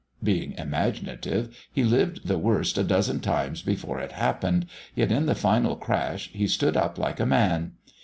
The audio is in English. Being imaginative, he lived the worst a dozen times before it happened, yet in the final crash he stood up like a man.